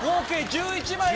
１１枚。